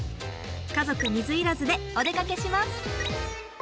家族水入らずでお出かけします！